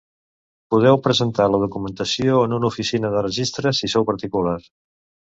Podeu presentar la documentació en una oficina de registre, si sou particular.